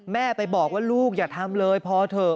แม่ไปบอกว่าลูกอย่าทำเลยพอเถอะ